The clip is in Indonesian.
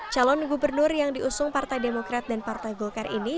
calon gubernur yang diusung partai demokrat dan partai golkar ini